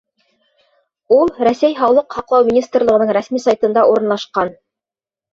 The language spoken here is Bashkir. Ул Рәсәй Һаулыҡ һаҡлау министрлығының рәсми сайтында урынлашҡан.